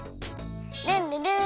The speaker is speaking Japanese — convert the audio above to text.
ルンルルーン。